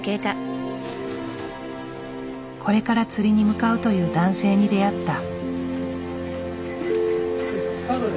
これから釣りに向かうという男性に出会った。